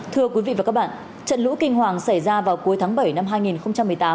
thưa quý vị và các bạn trận lũ kinh hoàng xảy ra vào cuối tháng bảy năm hai nghìn một mươi tám